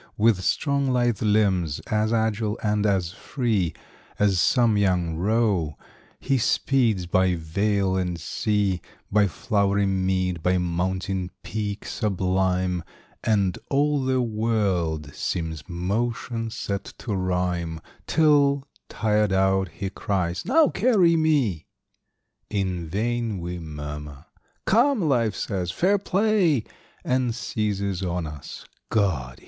With strong, lithe limbs, as agile and as free, As some young roe, he speeds by vale and sea, By flowery mead, by mountain peak sublime, And all the world seems motion set to rhyme, Till, tired out, he cries, "Now carry me!" In vain we murmur; "Come," Life says, "Fair play!" And seizes on us. God!